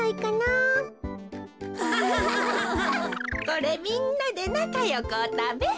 これみんなでなかよくおたべ。